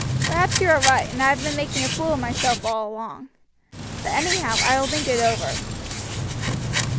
Perhaps you are right, and I have been making a fool of myself all along. But anyhow I will think it over."